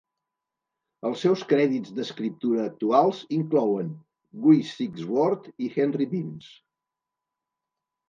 Els seus crèdits d'escriptura actuals inclouen Guy Sigsworth i Henry Binns.